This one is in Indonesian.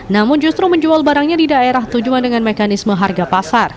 namun justru menjual barangnya di daerah tujuan dengan mekanisme harga pasar